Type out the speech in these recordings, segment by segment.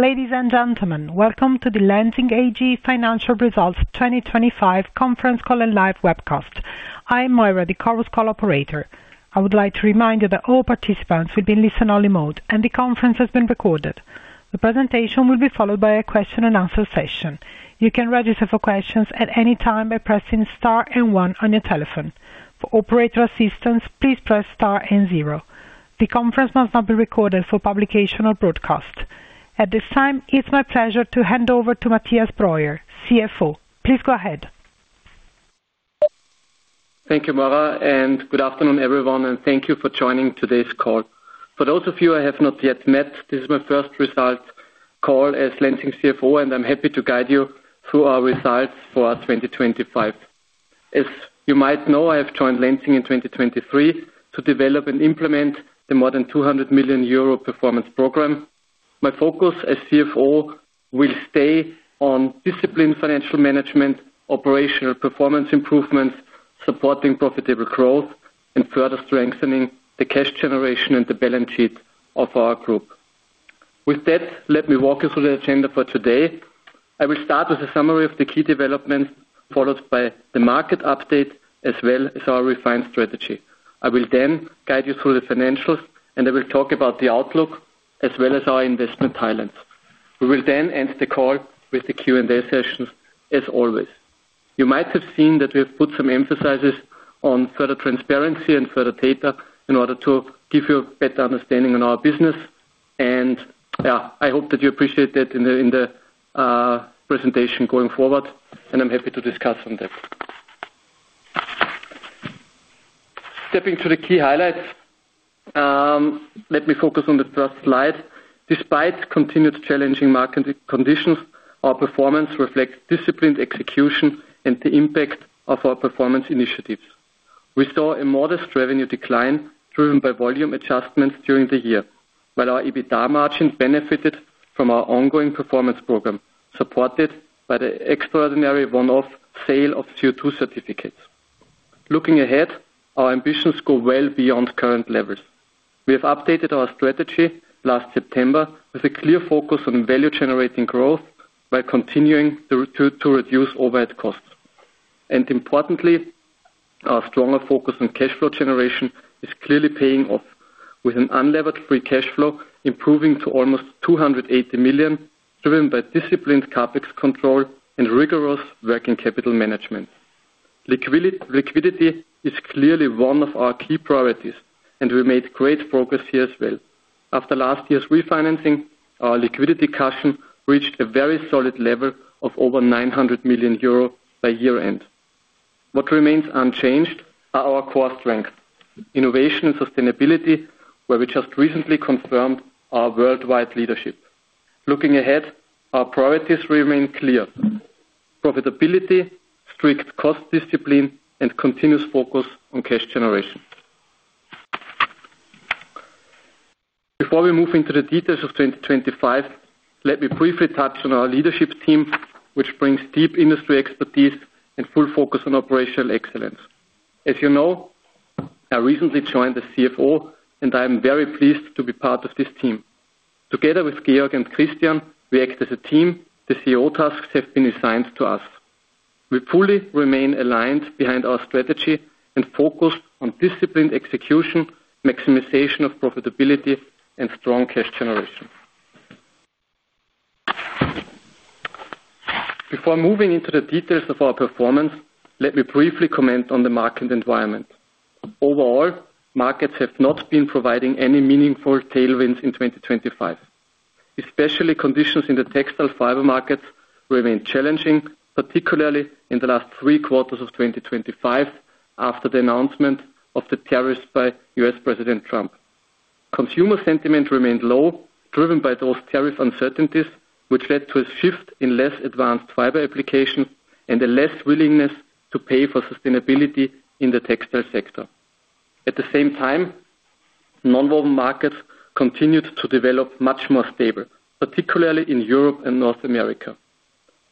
Ladies and gentlemen, welcome to the Lenzing AG financial results 2025 conference call and live webcast. I'm Moira, the Chorus Call operator. I would like to remind you that all participants will be in listen-only mode, and the conference has been recorded. The presentation will be followed by a question-and-answer session. You can register for questions at any time by pressing star and one on your telephone. For operator assistance, please press star and zero. The conference must not be recorded for publication or broadcast. At this time, it's my pleasure to hand over to Mathias Breuer, CFO. Please go ahead. Thank you, Moira, and good afternoon, everyone, and thank you for joining today's call. For those of you I have not yet met, this is my first results call as Lenzing CFO, and I'm happy to guide you through our results for our 2025. As you might know, I have joined Lenzing in 2023 to develop and implement the more than 200 million euro performance program. My focus as CFO will stay on disciplined financial management, operational performance improvements, supporting profitable growth, and further strengthening the cash generation and the balance sheet of our Group. With that, let me walk you through the agenda for today. I will start with a summary of the key developments, followed by the market update as well as our refined strategy. I will then guide you through the financials, and I will talk about the outlook as well as our investment highlights. We will then end the call with the Q&A session as always. You might have seen that we have put some emphasis on further transparency and further data in order to give you a better understanding on our business. Yeah, I hope that you appreciate that in the presentation going forward, and I'm happy to discuss on that. Stepping to the key highlights, let me focus on the first slide. Despite continued challenging market conditions, our performance reflects disciplined execution and the impact of our performance initiatives. We saw a modest revenue decline driven by volume adjustments during the year, while our EBITDA margin benefited from our ongoing performance program, supported by the extraordinary one-off sale of CO2 certificates. Looking ahead, our ambitions go well beyond current levels. We have updated our strategy last September with a clear focus on value-generating growth by continuing to reduce overhead costs. Importantly, our stronger focus on cash flow generation is clearly paying off, with an unlevered free cash flow improving to almost 280 million, driven by disciplined CapEx control and rigorous working capital management. Liquidity is clearly one of our key priorities, and we made great progress here as well. After last year's refinancing, our liquidity cushion reached a very solid level of over 900 million euro by year-end. What remains unchanged are our core strengths, innovation, and sustainability, where we just recently confirmed our worldwide leadership. Looking ahead, our priorities remain clear, profitability, strict cost discipline, and continuous focus on cash generation. Before we move into the details of 2025, let me briefly touch on our leadership team, which brings deep industry expertise and full focus on operational excellence. As you know, I recently joined as CFO, and I am very pleased to be part of this team. Together with Georg and Christian, we act as a team. The CEO tasks have been assigned to us. We fully remain aligned behind our strategy and focused on disciplined execution, maximization of profitability and strong cash generation. Before moving into the details of our performance, let me briefly comment on the market environment. Overall, markets have not been providing any meaningful tailwinds in 2025. Especially conditions in the textile fiber markets remain challenging, particularly in the last three quarters of 2025 after the announcement of the tariffs by U.S. President Trump. Consumer sentiment remained low, driven by those tariff uncertainties, which led to a shift in less advanced fiber application and a less willingness to pay for sustainability in the textile sector. At the same time, nonwoven markets continued to develop much more stable, particularly in Europe and North America.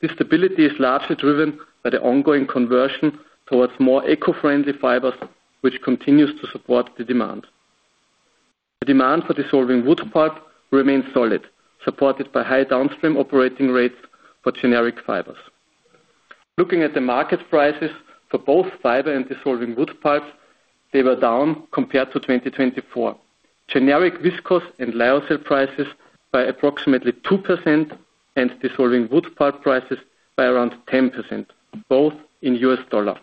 This stability is largely driven by the ongoing conversion towards more eco-friendly fibers, which continues to support the demand. The demand for dissolving wood pulp remains solid, supported by high downstream operating rates for generic fibers. Looking at the market prices for both fiber and dissolving wood pulp, they were down compared to 2024. Generic viscose and lyocell prices by approximately 2%, and dissolving wood pulp prices by around 10%, both in U.S. dollar.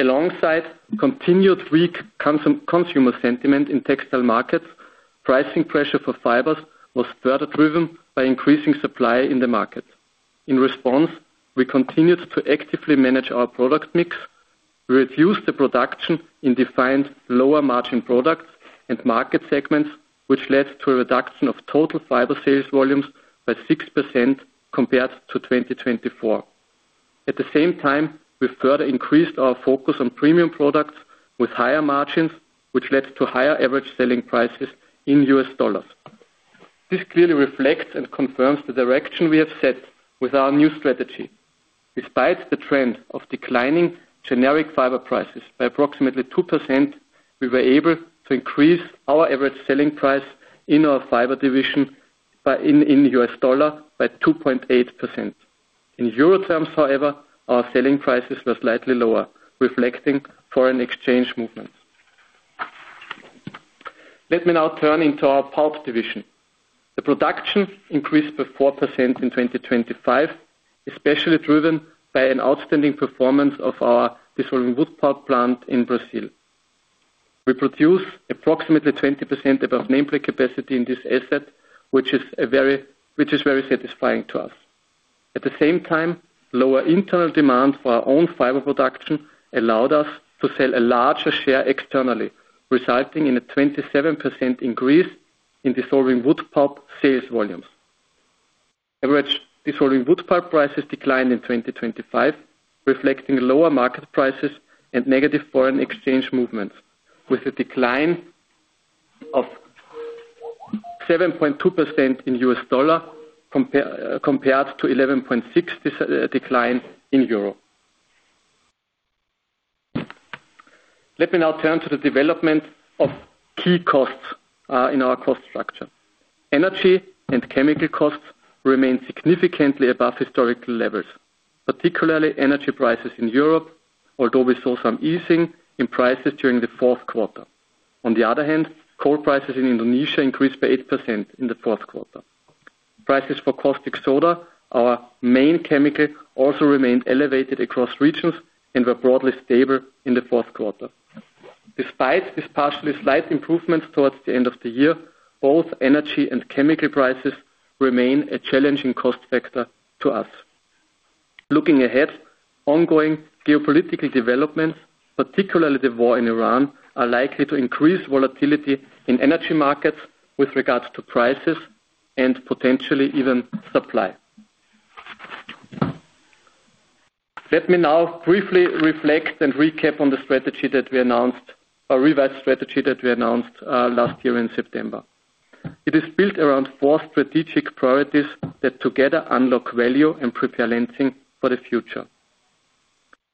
Alongside continued weak consumer sentiment in textile markets, pricing pressure for fibers was further driven by increasing supply in the market. In response, we continued to actively manage our product mix. We reduced the production in defined lower-margin products and market segments, which led to a reduction of total fiber sales volumes by 6% compared to 2024. At the same time, we further increased our focus on premium products with higher margins, which led to higher average selling prices in U.S. dollars. This clearly reflects and confirms the direction we have set with our new strategy. Despite the trend of declining generic fiber prices by approximately 2%, we were able to increase our average selling price in our Fiber Division by in U.S. dollar by 2.8%. In euro terms, however, our selling prices were slightly lower, reflecting foreign exchange movements. Let me now turn to our Pulp Division. Production increased by 4% in 2025, especially driven by an outstanding performance of our dissolving wood pulp plant in Brazil. We produce approximately 20% above nameplate capacity in this asset, which is very satisfying to us. At the same time, lower internal demand for our own fiber production allowed us to sell a larger share externally, resulting in a 27% increase in dissolving wood pulp sales volumes. Average dissolving wood pulp prices declined in 2025, reflecting lower market prices and negative foreign exchange movements with a decline of 7.2% in U.S. dollar compared to 11.6% decline in euro. Let me now turn to the development of key costs in our cost structure. Energy and chemical costs remain significantly above historical levels, particularly energy prices in Europe, although we saw some easing in prices during the fourth quarter. On the other hand, coal prices in Indonesia increased by 8% in the fourth quarter. Prices for caustic soda, our main chemical, also remained elevated across regions and were broadly stable in the fourth quarter. Despite this partially slight improvements towards the end of the year, both energy and chemical prices remain a challenging cost factor to us. Looking ahead, ongoing geopolitical developments, particularly the war in Iran, are likely to increase volatility in energy markets with regards to prices and potentially even supply. Let me now briefly reflect and recap on the revised strategy that we announced last year in September. It is built around four strategic priorities that together unlock value and prepare Lenzing for the future.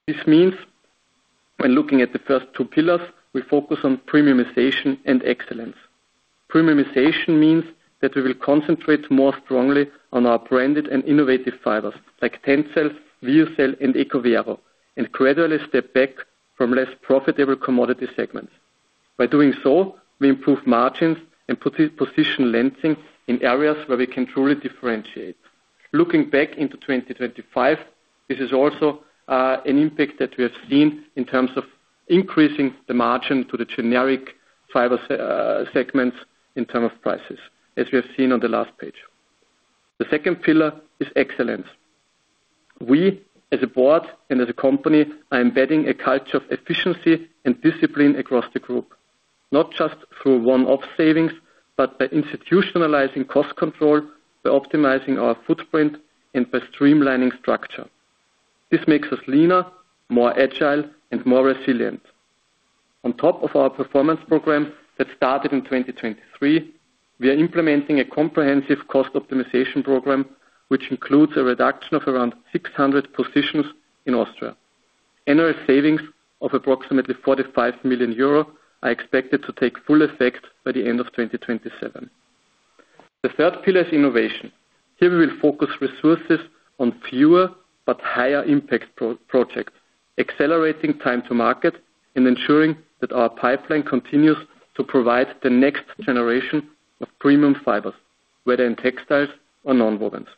This means when looking at the first two pillars, we focus on premiumization and excellence. Premiumization means that we will concentrate more strongly on our branded and innovative fibers like TENCEL, VEOCEL, and ECOVERO and gradually step back from less profitable commodity segments. By doing so, we improve margins and position Lenzing in areas where we can truly differentiate. Looking back into 2025, this is also an impact that we have seen in terms of increasing the margin to the generic fiber segments in terms of prices, as we have seen on the last page. The second pillar is excellence. We, as a board and as a company, are embedding a culture of efficiency and discipline across the Group, not just through one-off savings, but by institutionalizing cost control, by optimizing our footprint, and by streamlining structure. This makes us leaner, more agile, and more resilient. On top of our performance program that started in 2023, we are implementing a comprehensive cost optimization program, which includes a reduction of around 600 positions in Austria. Annual savings of approximately 45 million euro are expected to take full effect by the end of 2027. The third pillar is innovation. Here we will focus resources on fewer but higher impact projects, accelerating time to market and ensuring that our pipeline continues to provide the next generation of premium fibers, whether in textiles or nonwovens.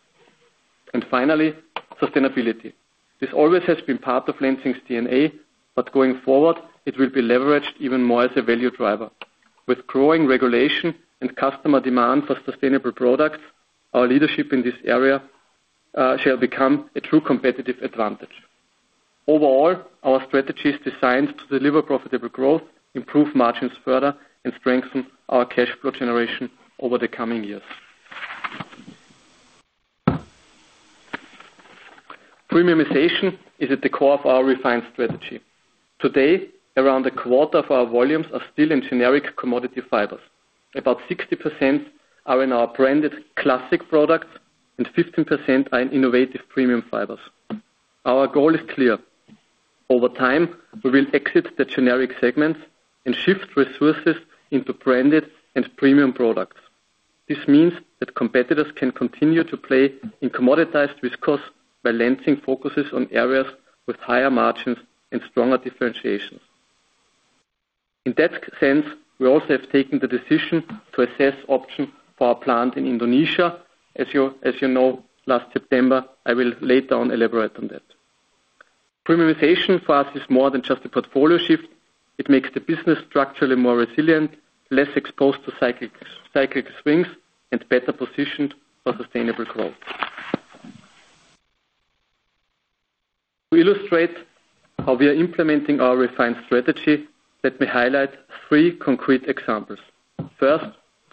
Finally, sustainability. This always has been part of Lenzing's DNA, but going forward, it will be leveraged even more as a value driver. With growing regulation and customer demand for sustainable products, our leadership in this area shall become a true competitive advantage. Overall, our strategy is designed to deliver profitable growth, improve margins further, and strengthen our cash flow generation over the coming years. Premiumization is at the core of our refined strategy. Today, around a quarter of our volumes are still in generic commodity fibers. About 60% are in our branded classic products, and 15% are in innovative premium fibers. Our goal is clear. Over time, we will exit the generic segments and shift resources into branded and premium products. This means that competitors can continue to play in commoditized viscose while Lenzing focuses on areas with higher margins and stronger differentiations. In that sense, we also have taken the decision to assess option for our plant in Indonesia. As you know, last September, I will later on elaborate on that. Premiumization for us is more than just a portfolio shift. It makes the business structurally more resilient, less exposed to cyclic swings, and better positioned for sustainable growth. To illustrate how we are implementing our refined strategy, let me highlight three concrete examples. First,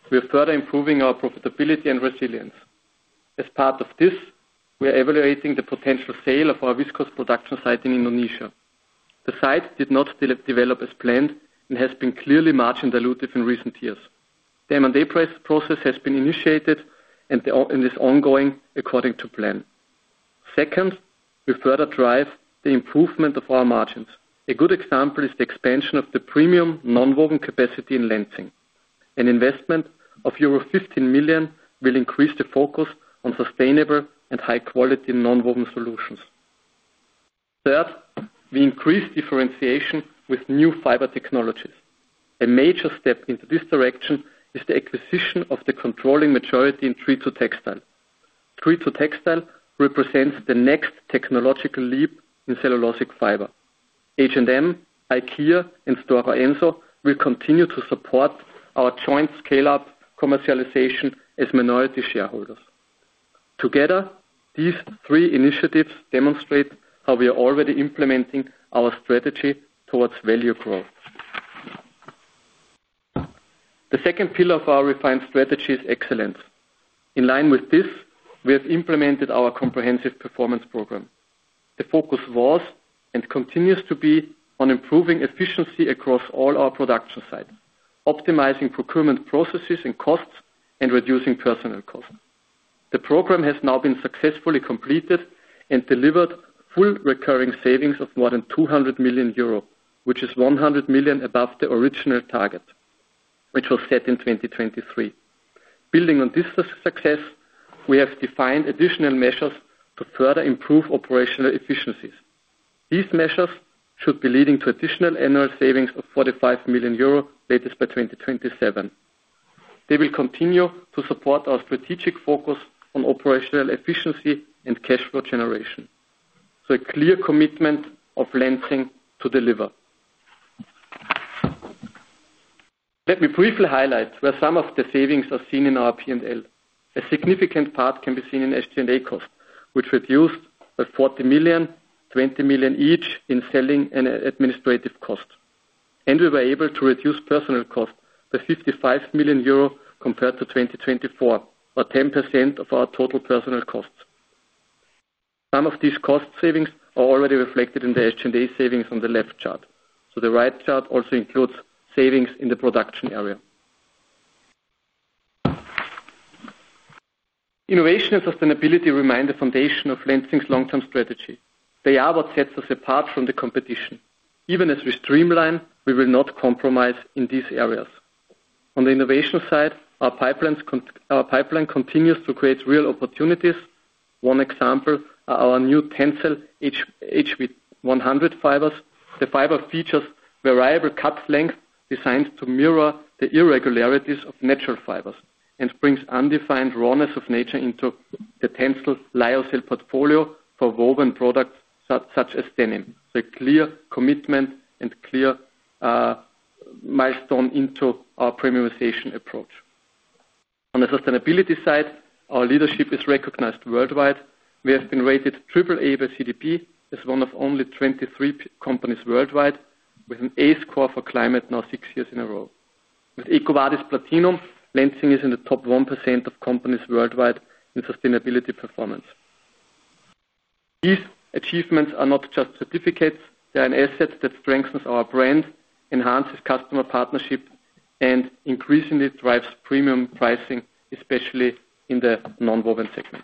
we are further improving our profitability and resilience. As part of this, we are evaluating the potential sale of our viscose production site in Indonesia. The site did not yet develop as planned and has been clearly margin dilutive in recent years. The M&A process has been initiated and is ongoing according to plan. Second, we further drive the improvement of our margins. A good example is the expansion of the premium nonwoven capacity in Lenzing. An investment of euro 15 million will increase the focus on sustainable and high quality nonwoven solutions. Third, we increase differentiation with new fiber technologies. A major step in this direction is the acquisition of the controlling majority in TreeToTextile. TreeToTextile represents the next technological leap in cellulosic fiber. H&M, IKEA, and Stora Enso will continue to support our joint scale-up commercialization as minority shareholders. Together, these three initiatives demonstrate how we are already implementing our strategy toward value growth. The second pillar of our refined strategy is excellence. In line with this, we have implemented our comprehensive performance program. The focus was and continues to be on improving efficiency across all our production sites, optimizing procurement processes and costs, and reducing personnel costs. The program has now been successfully completed and delivered full recurring savings of more than 200 million euro, which is 100 million above the original target, which was set in 2023. Building on this success, we have defined additional measures to further improve operational efficiencies. These measures should be leading to additional annual savings of 45 million euro latest by 2027. They will continue to support our strategic focus on operational efficiency and cash flow generation. A clear commitment of Lenzing to deliver. Let me briefly highlight where some of the savings are seen in our P&L. A significant part can be seen in SG&A costs, which reduced by 40 million-20 million each in selling and administrative costs. We were able to reduce personnel costs by 55 million euro compared to 2024, or 10% of our total personnel costs. Some of these cost savings are already reflected in the SG&A savings on the left chart. The right chart also includes savings in the production area. Innovation and sustainability remain the foundation of Lenzing's long-term strategy. They are what sets us apart from the competition. Even as we streamline, we will not compromise in these areas. On the innovation side, our pipeline continues to create real opportunities. One example are our new TENCEL HV100 fibers. The fiber features variable cut length designed to mirror the irregularities of natural fibers and brings undefined rawness of nature into the TENCEL Lyocell portfolio for woven products such as denim. It's a clear commitment and clear milestone into our premiumization approach. On the sustainability side, our leadership is recognized worldwide. We have been rated triple A by CDP as one of only 23 companies worldwide with an A score for climate now six years in a row. With EcoVadis Platinum, Lenzing is in the top 1% of companies worldwide in sustainability performance. These achievements are not just certificates, they are an asset that strengthens our brand, enhances customer partnership, and increasingly drives premium pricing, especially in the nonwoven segment.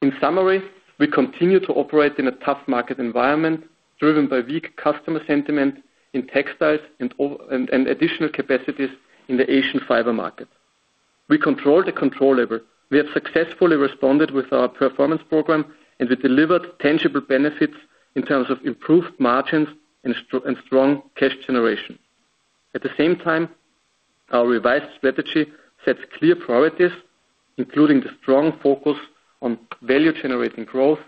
In summary, we continue to operate in a tough market environment driven by weak customer sentiment in textiles and additional capacities in the Asian fiber market. We control the controllables. We have successfully responded with our performance program, and we delivered tangible benefits in terms of improved margins and strong cash generation. At the same time, our revised strategy sets clear priorities, including the strong focus on value-generating growth,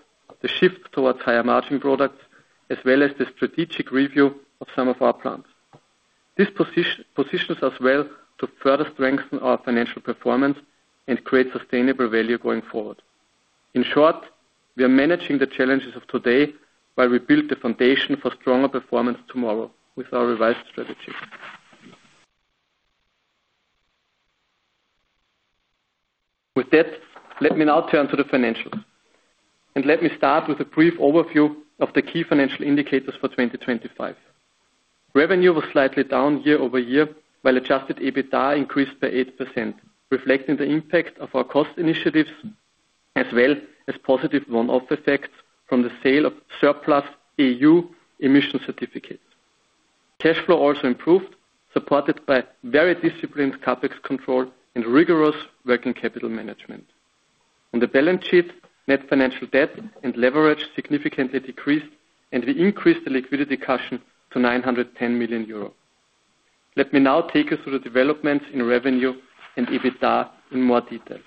the shift towards higher margin products, as well as the strategic review of some of our plants. This positions us well to further strengthen our financial performance and create sustainable value going forward. In short, we are managing the challenges of today while we build the foundation for stronger performance tomorrow with our revised strategy. With that, let me now turn to the financials, and let me start with a brief overview of the key financial indicators for 2025. Revenue was slightly down year-over-year, while Adjusted EBITDA increased by 8%, reflecting the impact of our cost initiatives as well as positive one-off effects from the sale of surplus EU emission certificates. Cash flow also improved, supported by very disciplined CapEx control and rigorous working capital management. On the balance sheet, net financial debt and leverage significantly decreased, and we increased the liquidity cushion to 910 million euros. Let me now take you through the developments in revenue and EBITDA in more detail.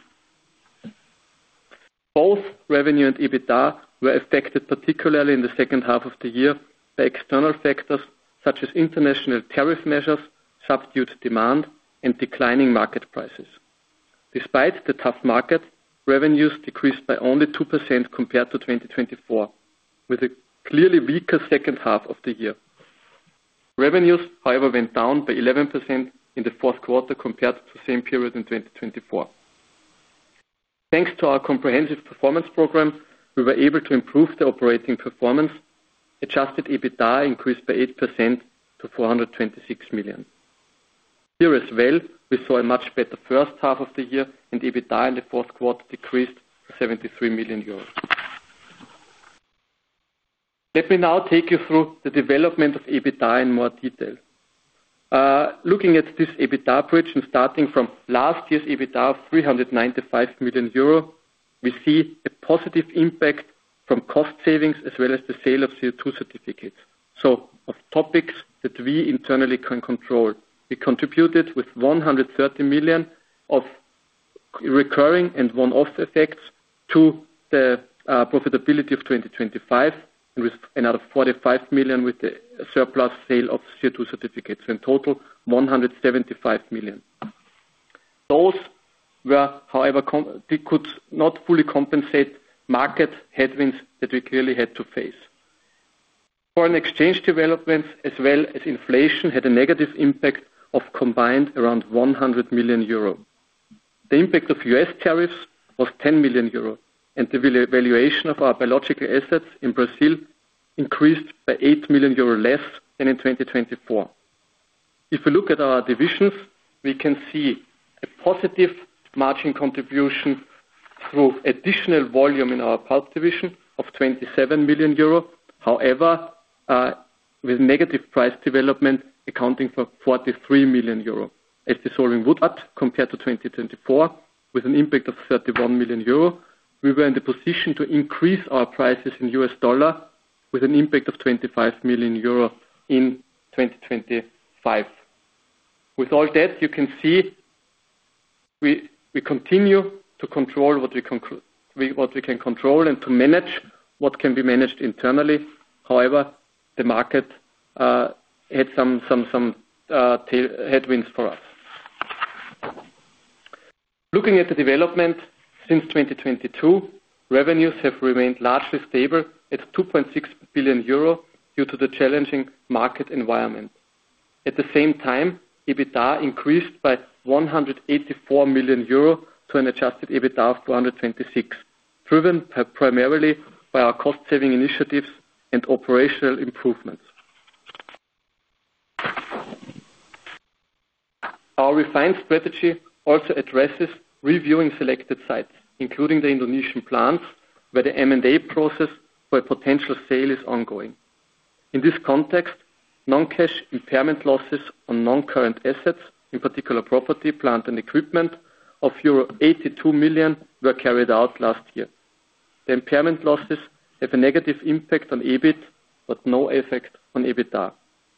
Both revenue and EBITDA were affected, particularly in the second half of the year, by external factors such as international tariff measures, subdued demand, and declining market prices. Despite the tough market, revenues decreased by only 2% compared to 2024, with a clearly weaker second half of the year. Revenues, however, went down by 11% in the fourth quarter compared to the same period in 2024. Thanks to our comprehensive performance program, we were able to improve the operating performance. Adjusted EBITDA increased by 8% to 426 million. Here as well, we saw a much better first half of the year and EBITDA in the fourth quarter decreased 73 million euros. Let me now take you through the development of EBITDA in more detail. Looking at this EBITDA bridge and starting from last year's EBITDA of 395 million euro, we see a positive impact from cost savings as well as the sale of CO2 certificates. Of topics that we internally can control. We contributed with 130 million of recurring and one-off effects to the profitability of 2025, with another 45 million with the surplus sale of CO2 certificates. In total 175 million. Those were however they could not fully compensate market headwinds that we clearly had to face. Foreign exchange developments as well as inflation had a negative impact of combined around 100 million euro. The impact of US tariffs was 10 million euro and the valuation of our biological assets in Brazil increased by 8 million euro less than in 2024. If we look at our divisions, we can see a positive margin contribution through additional volume in our Pulp Division of 27 million euro. However, with negative price development accounting for 43 million euro in dissolving wood pulp compared to 2024 with an impact of 31 million euro. We were in the position to increase our prices in US dollar with an impact of 25 million euro in 2025. With all that you can see we continue to control what we can control and to manage what can be managed internally. However, the market had some headwinds for us. Looking at the development since 2022, revenues have remained largely stable at 2.6 billion euro due to the challenging market environment. At the same time, EBITDA increased by 184 million euro to an Adjusted EBITDA of 226 million, driven primarily by our cost saving initiatives and operational improvements. Our refined strategy also addresses reviewing selected sites, including the Indonesian plants where the M&A process for a potential sale is ongoing. In this context, non-cash impairment losses on non-current assets, in particular property, plant and equipment of euro 82 million were carried out last year. The impairment losses have a negative impact on EBIT but no effect on EBITDA.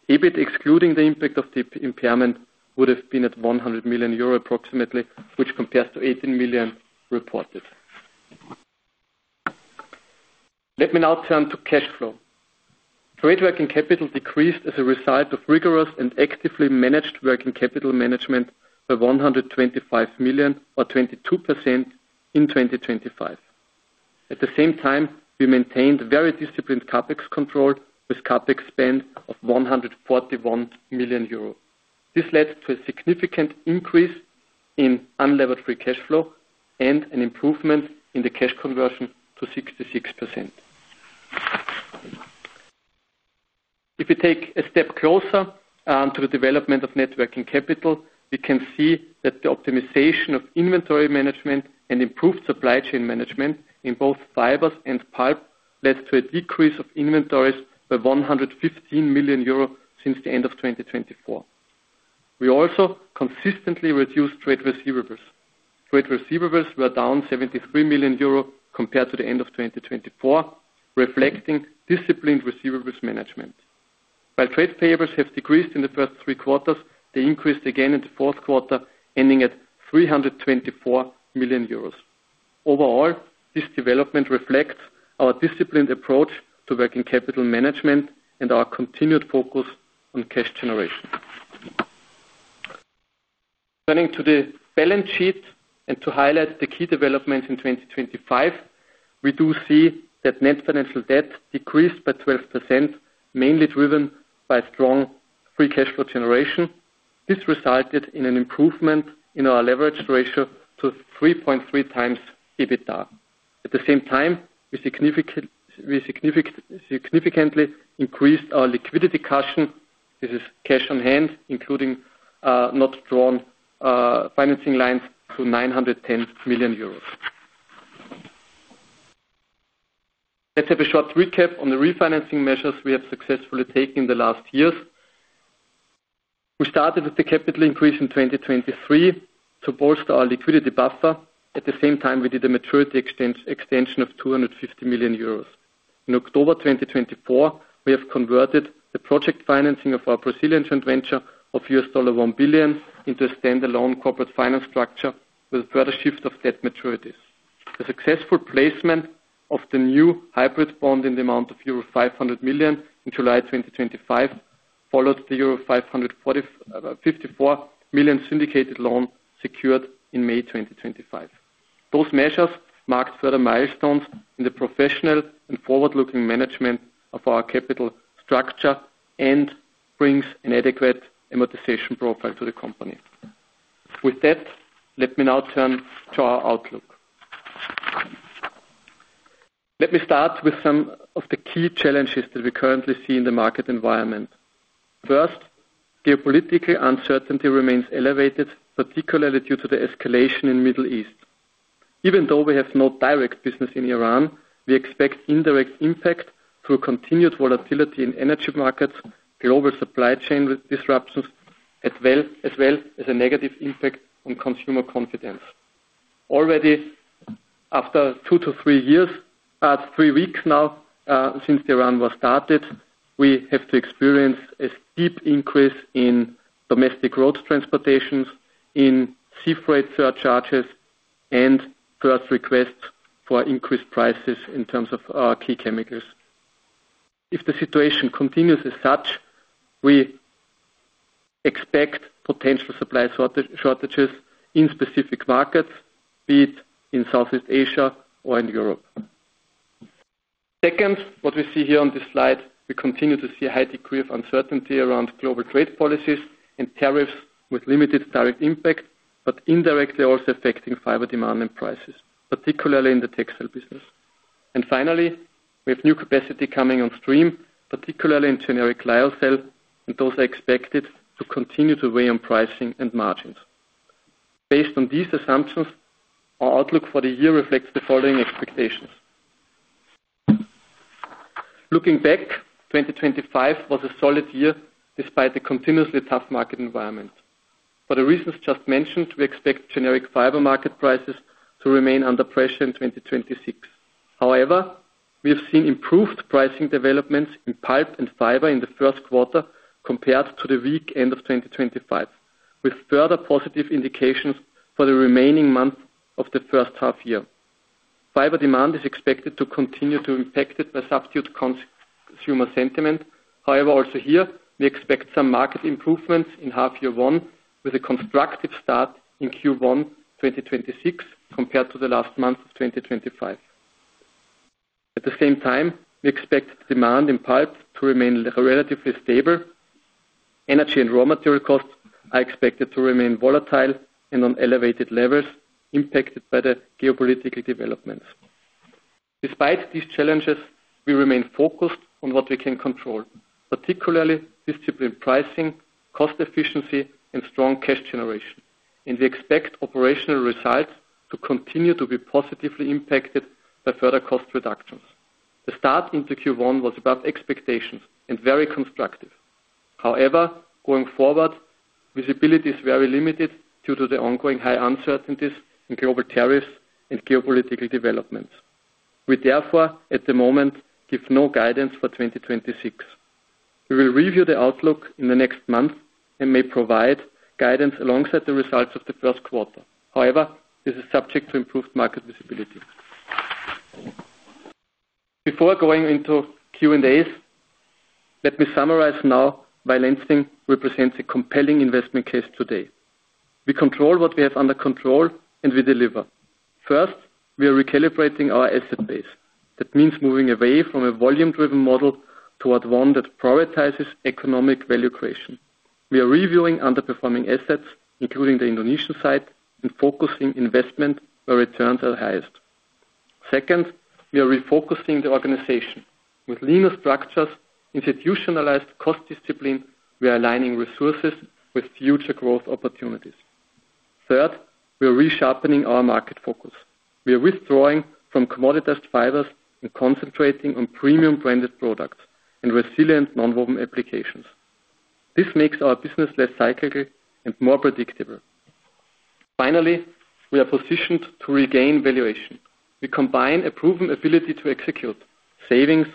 EBIT excluding the impact of the impairment would have been at 100 million euro approximately, which compares to 18 million reported. Let me now turn to cash flow. Trade working capital decreased as a result of rigorous and actively managed working capital management by 125 million or 22% in 2025. At the same time, we maintained very disciplined CapEx control with CapEx spend of 141 million euro. This led to a significant increase in unlevered free cash flow and an improvement in the cash conversion to 66%. If you take a step closer to the development of net working capital, we can see that the optimization of inventory management and improved supply chain management in both fibers and pulp led to a decrease of inventories by 115 million euro since the end of 2024. We also consistently reduced trade receivables. Trade receivables were down 73 million euro compared to the end of 2024, reflecting disciplined receivables management. While trade payables have decreased in the first three quarters, they increased again in the fourth quarter, ending at 324 million euros. Overall, this development reflects our disciplined approach to working capital management and our continued focus on cash generation. Turning to the balance sheet and to highlight the key developments in 2025, we do see that net financial debt decreased by 12%, mainly driven by strong free cash flow generation. This resulted in an improvement in our leverage ratio to 3.3x EBITDA. At the same time, we significantly increased our liquidity cushion. This is cash on hand, including not drawn financing lines to EUR 910 million. Let's have a short recap on the refinancing measures we have successfully taken the last years. We started with the capital increase in 2023 to bolster our liquidity buffer. At the same time, we did a maturity extension of 250 million euros. In October 2024, we have converted the project financing of our Brazilian joint venture of $1 billion into a standalone corporate finance structure with further shift of debt maturities. The successful placement of the new hybrid bond in the amount of euro 500 million in July 2025 followed the euro 554 million syndicated loan secured in May 2025. Those measures marked further milestones in the professional and forward-looking management of our capital structure and brings an adequate amortization profile to the company. With that, let me now turn to our outlook. Let me start with some of the key challenges that we currently see in the market environment. First, geopolitically, uncertainty remains elevated, particularly due to the escalation in the Middle East. Even though we have no direct business in Iran, we expect indirect impact through continued volatility in energy markets, global supply chain disruptions, as well as a negative impact on consumer confidence. Already after three weeks now, since the Iran war started, we have experienced a steep increase in domestic road transportations, in sea freight surcharges and first requests for increased prices in terms of our key chemicals. If the situation continues as such, we expect potential supply shortages in specific markets, be it in Southeast Asia or in Europe. Second, what we see here on this slide, we continue to see a high degree of uncertainty around global trade policies and tariffs with limited direct impact, but indirectly also affecting fiber demand and prices, particularly in the textile business. Finally, we have new capacity coming on stream, particularly in generic lyocell, and those are expected to continue to weigh on pricing and margins. Based on these assumptions, our outlook for the year reflects the following expectations. Looking back, 2025 was a solid year despite the continuously tough market environment. For the reasons just mentioned, we expect generic fiber market prices to remain under pressure in 2026. However, we have seen improved pricing developments in pulp and fiber in the first quarter compared to the weak end of 2025, with further positive indications for the remaining months of the first half year. Fiber demand is expected to continue to be impacted by subdued consumer sentiment. However, also here we expect some market improvements in H1 with a constructive start in Q1 2026 compared to the last month of 2025. At the same time, we expect demand in pulp to remain relatively stable. Energy and raw material costs are expected to remain volatile and on elevated levels impacted by the geopolitical developments. Despite these challenges, we remain focused on what we can control, particularly disciplined pricing, cost efficiency and strong cash generation, and we expect operational results to continue to be positively impacted by further cost reductions. The start into Q1 was above expectations and very constructive. However, going forward, visibility is very limited due to the ongoing high uncertainties in global tariffs and geopolitical developments. We therefore, at the moment, give no guidance for 2026. We will review the outlook in the next month and may provide guidance alongside the results of the first quarter. However, this is subject to improved market visibility. Before going into Q&As, let me summarize now why Lenzing represents a compelling investment case today. We control what we have under control and we deliver. First, we are recalibrating our asset base. That means moving away from a volume-driven model toward one that prioritizes economic value creation. We are reviewing underperforming assets, including the Indonesian site, and focusing investment where returns are highest. Second, we are refocusing the organization. With leaner structures, institutionalized cost discipline, we are aligning resources with future growth opportunities. Third, we are resharpening our market focus. We are withdrawing from commoditized fibers and concentrating on premium branded products and resilient nonwoven applications. This makes our business less cyclical and more predictable. Finally, we are positioned to regain valuation. We combine a proven ability to execute savings,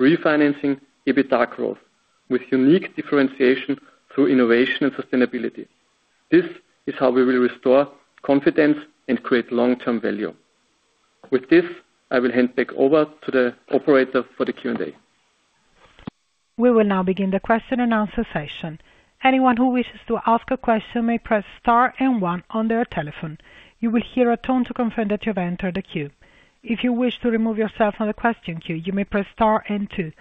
refinancing, EBITDA growth with unique differentiation through innovation and sustainability. This is how we will restore confidence and create long-term value. With this, I will hand back over to the operator for the Q&A. We will now begin the question-and-answer session. Anyone who wishes to ask a question may press star and one on their telephone. You will hear a tone to confirm that you have entered a queue. If you wish to remove yourself from the question queue, you may press star and two.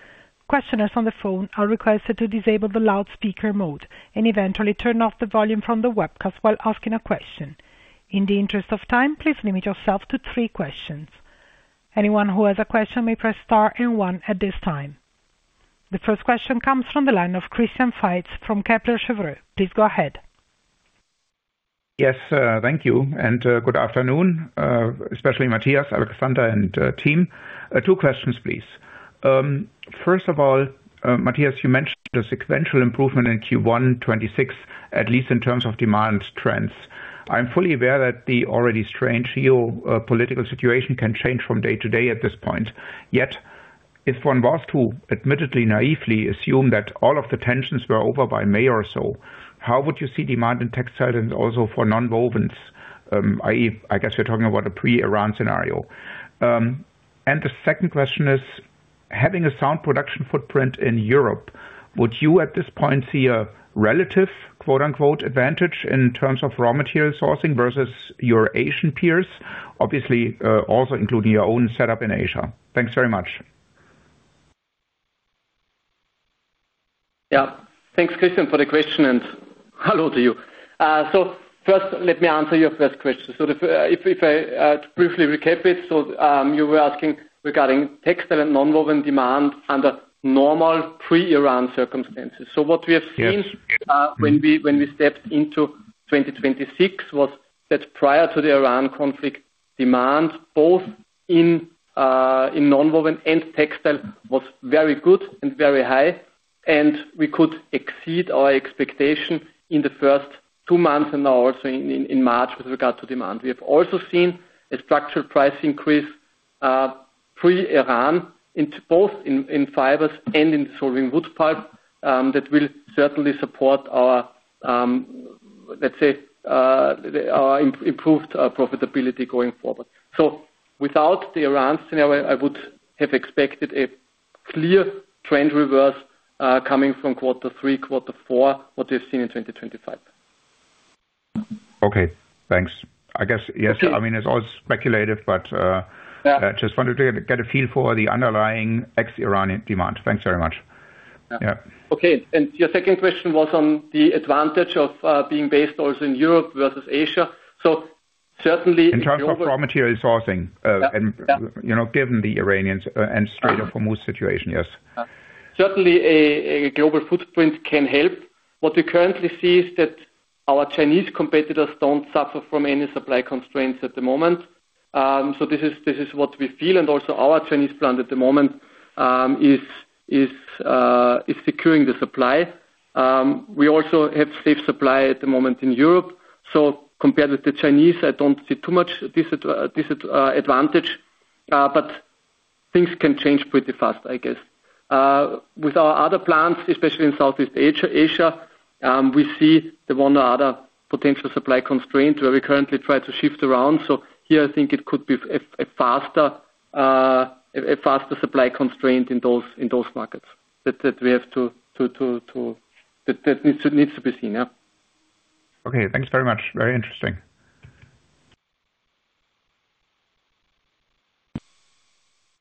Questioners on the phone are requested to disable the loudspeaker mode and eventually turn off the volume from the webcast while asking a question. In the interest of time, please limit yourself to three questions. Anyone who has a question may press star and one at this time. The first question comes from the line of Christian Faitz from Kepler Cheuvreux. Please go ahead. Yes, thank you. Good afternoon, especially Mathias, Alexander and team. Two questions, please. First of all, Mathias, you mentioned the sequential improvement in Q1 2026, at least in terms of demand trends. I'm fully aware that the already strange geopolitical situation can change from day to day at this point. Yet, if one was to admittedly naively assume that all of the tensions were over by May or so, how would you see demand in textiles and also for nonwovens? I.e., I guess you're talking about a pre-Iran scenario. The second question is having a sound production footprint in Europe, would you at this point see a relative, quote-unquote, "advantage" in terms of raw material sourcing versus your Asian peers? Obviously, also including your own setup in Asia. Thanks very much. Yeah. Thanks, Christian, for the question and hello to you. First, let me answer your first question. If I briefly recap it, you were asking regarding textile and nonwoven demand under normal pre-Iran circumstances. What we have seen. Yes. When we stepped into 2026, that was prior to the Iran conflict. Demand both in nonwoven and textile was very good and very high, and we could exceed our expectation in the first two months and now also in March with regard to demand. We have also seen a structural price increase pre-Iran in both in fibers and in dissolving wood pulp that will certainly support our, let's say, our improved profitability going forward. Without the Iran scenario, I would have expected a clear trend reverse coming from quarter three, quarter four, what we've seen in 2025. Okay, thanks. I guess, yes. Okay. I mean, it's all speculative, but. Yeah. I just wanted to get a feel for the underlying ex-Iran demand. Thanks very much. Yeah. Yeah. Okay, your second question was on the advantage of being based also in Europe versus Asia. Certainly- In terms of raw material sourcing. Yeah. You know, given the Iranian and Strait of Hormuz situation, yes. Certainly a global footprint can help. What we currently see is that our Chinese competitors don't suffer from any supply constraints at the moment. This is what we feel, and also our Chinese plant at the moment is securing the supply. We also have safe supply at the moment in Europe. Compared with the Chinese, I don't see too much disadvantage, but things can change pretty fast, I guess. With our other plants, especially in Southeast Asia, we see the one or other potential supply constraint where we currently try to shift around. Here, I think it could be a faster supply constraint in those markets. That needs to be seen, yeah. Okay, thanks very much. Very interesting.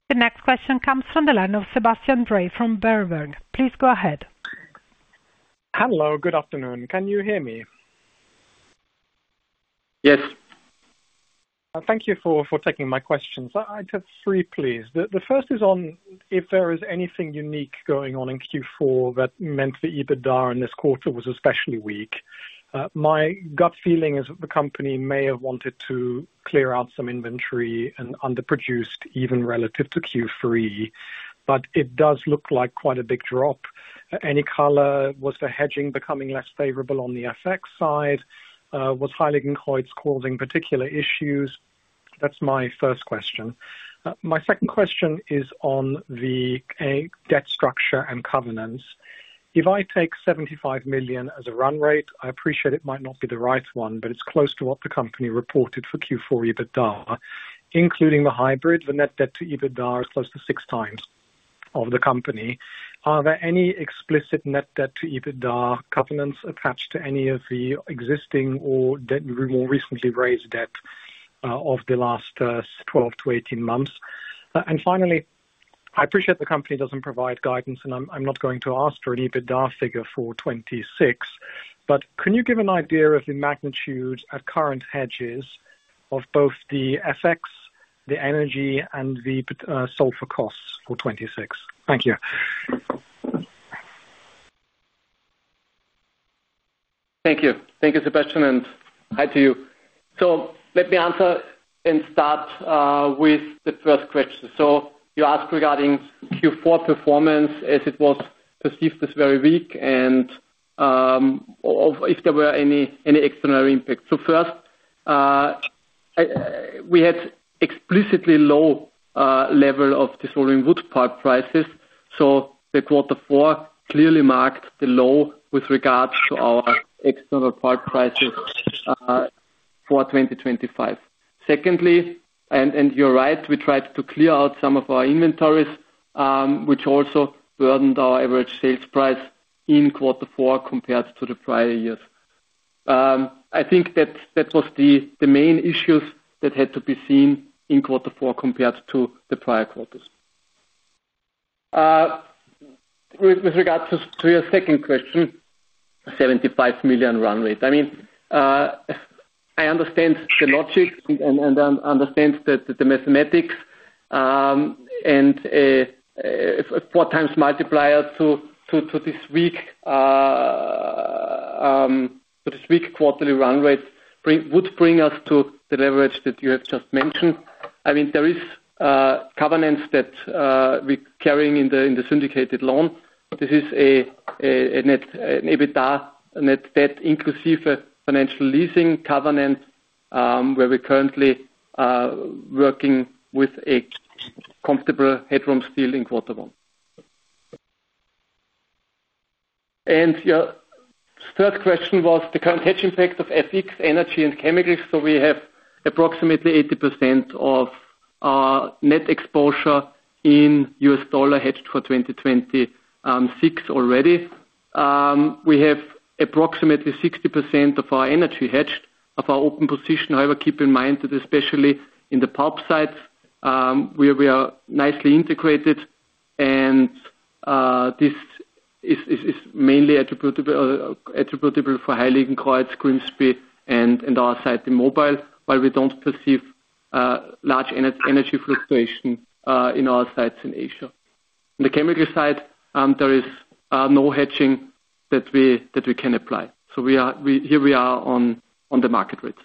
The next question comes from the line of Sebastian Bray from Berenberg. Please go ahead. Hello, good afternoon. Can you hear me? Yes. Thank you for taking my questions. I have three, please. The first is on if there is anything unique going on in Q4 that meant the EBITDA in this quarter was especially weak. My gut feeling is that the company may have wanted to clear out some inventory and underproduced even relative to Q3, but it does look like quite a big drop. Any color, was the hedging becoming less favorable on the FX side? Was Heiligenkreuz causing particular issues? That's my first question. My second question is on the debt structure and covenants. If I take 75 million as a run rate, I appreciate it might not be the right one, but it's close to what the company reported for Q4 EBITDA, including the hybrid, the net debt to EBITDA is close to 6x of the company. Are there any explicit net debt to EBITDA covenants attached to any of the existing or the debt we more recently raised of the last 12-18 months? Finally, I appreciate the company doesn't provide guidance, and I'm not going to ask for an EBITDA figure for 2026, but can you give an idea of the magnitude at current hedges of both the FX, the energy, and the sulfur costs for 2026? Thank you. Thank you. Thank you, Sebastian, and hi to you. Let me answer and start with the first question. You asked regarding Q4 performance as it was perceived as very weak and/or if there were any extraordinary impacts. First, we had explicitly low level of dissolving wood pulp prices, so quarter four clearly marked the low with regards to our external pulp prices for 2025. Secondly, and you're right, we tried to clear out some of our inventories, which also burdened our average sales price in quarter four compared to the prior years. I think that was the main issues that had to be seen in quarter four compared to the prior quarters. With regards to your second question, 75 million run rate. I mean, I understand the logic and understand the mathematics and 4x multiplier to this week's quarterly run rate would bring us to the leverage that you have just mentioned. I mean, there is covenants that we're carrying in the syndicated loan. This is a net EBITDA net debt inclusive financial leasing covenant where we're currently working with a comfortable headroom still in quarter one. Your third question was the current hedging effect of viscose, energy, and chemicals. We have approximately 80% of our net exposure in US dollar hedged for 2026 already. We have approximately 60% of our energy hedged of our open position. However, keep in mind that especially in the pulp side, where we are nicely integrated and this is mainly attributable for Heiligenkreuz, Grimsby, and our site in Mobile. While we don't perceive large energy fluctuation in our sites in Asia. In the chemical side, there is no hedging that we can apply. Here we are on the market rates.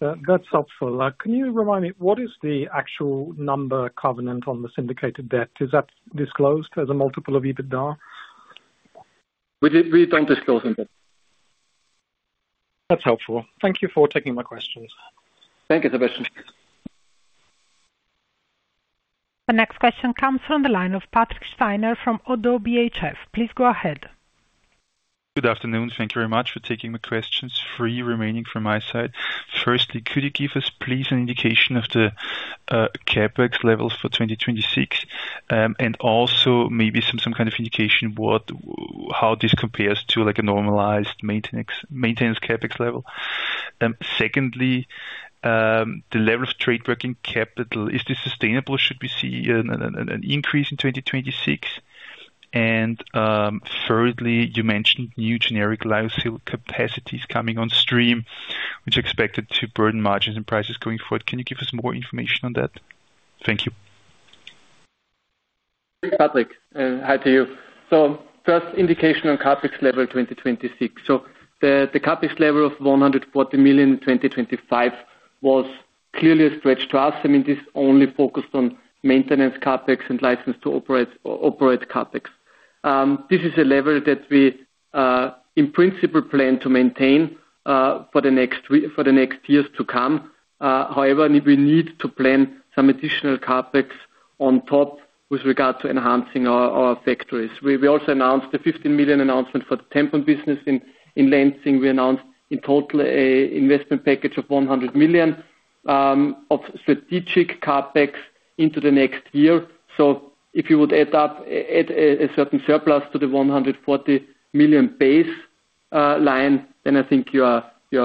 That's helpful. Can you remind me, what is the actual number covenant on the syndicated debt? Is that disclosed as a multiple of EBITDA? We don't disclose on that. That's helpful. Thank you for taking my questions. Thank you, Sebastian. The next question comes from the line of Patrick Steiner from ODDO BHF. Please go ahead. Good afternoon. Thank you very much for taking the questions. Three remaining from my side. Firstly, could you give us please an indication of the CapEx levels for 2026, and also maybe some kind of indication what how this compares to like a normalized maintenance CapEx level? Secondly, the level of trade working capital, is this sustainable? Should we see an increase in 2026? Thirdly, you mentioned new generic lyocell capacities coming on stream, which are expected to burden margins and prices going forward. Can you give us more information on that? Thank you. Patrick, hi to you. First indication on CapEx level 2026. The CapEx level of 140 million in 2025 was clearly a stretch to us. I mean, this only focused on maintenance CapEx and license to operate CapEx. This is a level that we in principle plan to maintain for the next years to come. However, we need to plan some additional CapEx on top with regard to enhancing our factories. We also announced the 15 million announcement for the TENCEL business in Lenzing. We announced in total a investment package of 100 million of strategic CapEx into the next year. If you would add a certain surplus to the 140 million baseline, then I think you are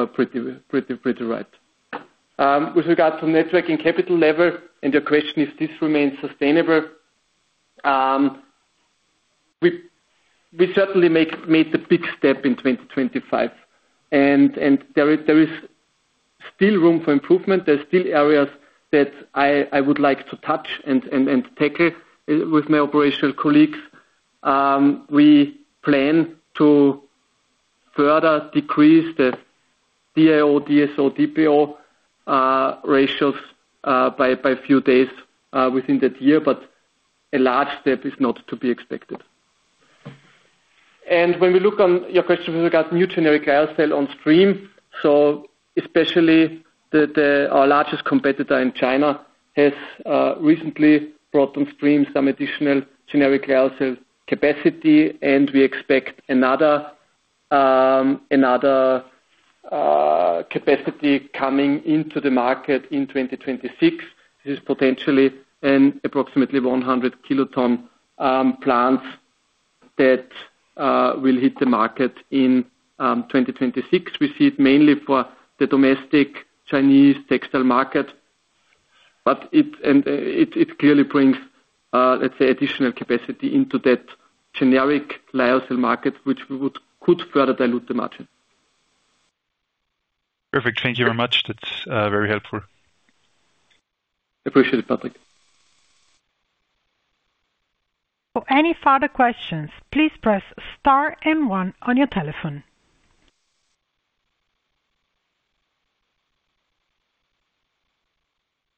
pretty right. With regard to net working capital level and your question, if this remains sustainable, we certainly made a big step in 2025 and there is still room for improvement. There are still areas that I would like to touch and tackle with my operational colleagues. We plan to further decrease the DIO, DSO, DPO ratios by a few days within that year, but a large step is not to be expected. When we look on your question with regard to new generic lyocell on stream, so especially our largest competitor in China has recently brought on stream some additional generic lyocell capacity, and we expect another capacity coming into the market in 2026. This is potentially an approximately 100 kiloton plant that will hit the market in 2026. We see it mainly for the domestic Chinese textile market, but it clearly brings, let's say, additional capacity into that generic lyocell market, which could further dilute the margin. Perfect. Thank you very much. That's very helpful. Appreciate it, Patrick. For any further questions, please press star and one on your telephone.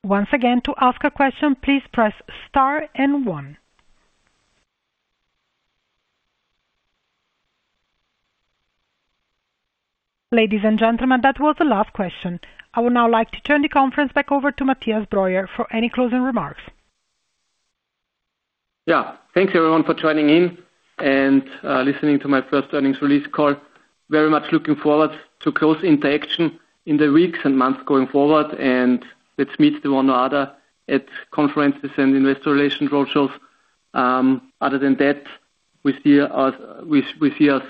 Once again, to ask a question, please press star and one. Ladies and gentlemen, that was the last question. I would now like to turn the conference back over to Mathias Breuer for any closing remarks. Yeah. Thanks everyone for joining in and listening to my first earnings release call. Very much looking forward to close interaction in the weeks and months going forward, and let's meet one another at conferences and investor relations roadshows. Other than that, we'll see you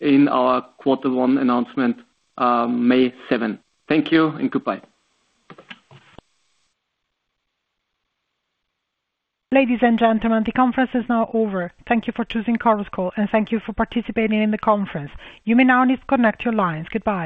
in our quarter one announcement, May 7th, 2026. Thank you and goodbye. Ladies and gentlemen, the conference is now over. Thank you for choosing Chorus Call, and thank you for participating in the conference. You may now disconnect your lines. Goodbye.